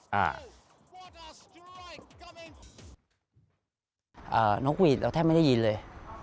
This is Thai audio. ใช่นกหวีดเราแทบไม่ได้ยินเลย